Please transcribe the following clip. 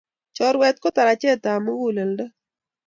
Churuet ko tarachet ab muguleldo